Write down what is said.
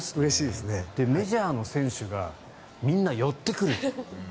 メジャーの選手がみんな寄ってくる。